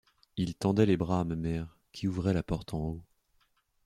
Il tendait les bras à ma mère, qui ouvrait la porte en haut.